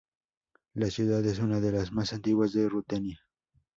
La ciudad es una de las más antiguas de Rutenia.